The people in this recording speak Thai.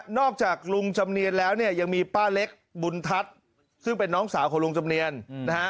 จากลุงจำเนียนแล้วเนี่ยยังมีป้าเล็กบุญทัศน์ซึ่งเป็นน้องสาวของลุงจำเนียนนะฮะ